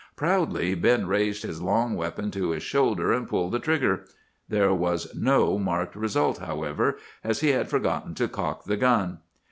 "Proudly Ben raised his long weapon to his shoulder and pulled the trigger. There was no marked result, however, as he had forgotten to cock the gun.